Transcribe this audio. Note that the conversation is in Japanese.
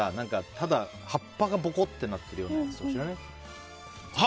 ただ葉っぱがぼこってなってるようなやつとか。知らない？